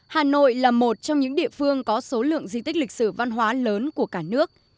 hà nội là một trong những địa phương có số lượng di tích lịch sử văn hóa lớn của cả nước